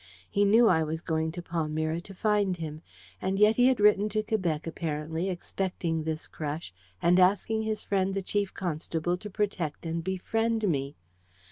He knew I was going to Palmyra to find him. And yet he had written to Quebec, apparently, expecting this crush, and asking his friend the Chief Constable to protect and befriend me.